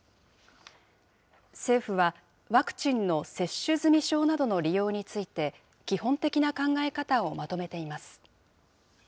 政府は、ワクチンの接種済証などの利用について、基本的な考え方をまとめています。